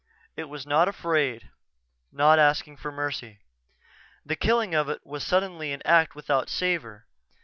It was not afraid not asking for mercy.... The killing of it was suddenly an act without savor.